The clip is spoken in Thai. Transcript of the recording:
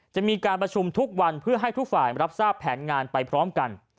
จะมีการประชุมทุกวันเพื่อให้ทุกฝ่ายรับทราบแผนงานไปพร้อมกัน